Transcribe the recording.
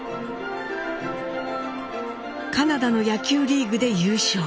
カナダの野球リーグで優勝。